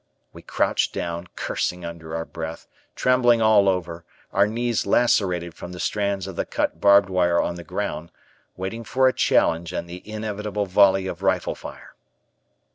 We crouched down, cursing under our breath, trembling all over, our knees lacerated from the strands of the cut barbed wire on the ground, waiting for a challenge and the inevitable volley of rifle fire.